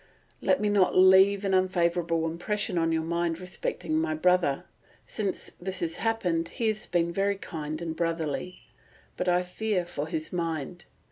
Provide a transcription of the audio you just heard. Let me not leave an unfavourable impression on your mind respecting my brother. Since this has happened, he has been very kind and brotherly, but I fear for his mind.